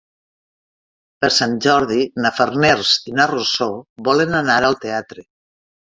Per Sant Jordi na Farners i na Rosó volen anar al teatre.